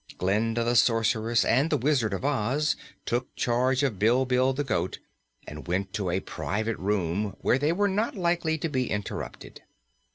Glinda the Sorceress and the Wizard of Oz took charge of Bilbil the goat and went to a private room where they were not likely to be interrupted.